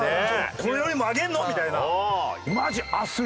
これよりも上げるの？みたいな。